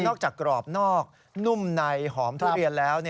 จากกรอบนอกนุ่มในหอมทุเรียนแล้ว